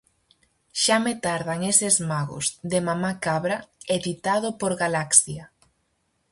Xa me tardan eses magos, de Mamá Cabra, editado por Galaxia.